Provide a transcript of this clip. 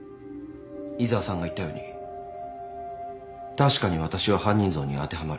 井沢さんが言ったように確かに私は犯人像に当てはまる。